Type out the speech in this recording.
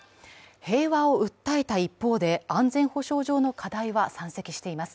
平和を訴えた一方で、安全保障上の課題は山積しています。